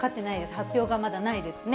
発表がまだないですね。